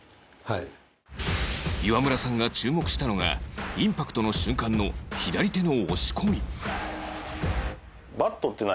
岩村さんが注目したのがインパクトの瞬間の左手の押し込み